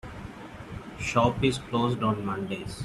The shop is closed on Mondays.